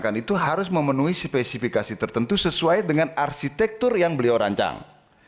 persoalan apakah arsitektur yang beliau rancang dan spesifikasi tertentu itu harus disesuaikan dengan arsitektur yang beliau rancang